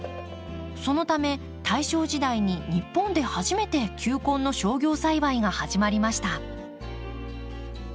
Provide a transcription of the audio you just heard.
そのため大正時代に日本で初めて球根の商業栽培が始まりました。